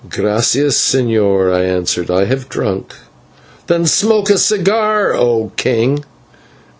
"/Gracias/, señor," I answered, "I have drunk." "Then smoke a cigar, O king."